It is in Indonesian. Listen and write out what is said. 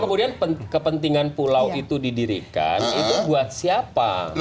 kemudian kepentingan pulau itu didirikan itu buat siapa